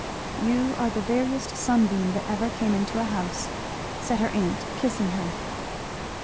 "You are the veriest sunbeam that ever came into a house," said her aunt kissing her.